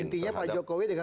intinya pak jokowi dengan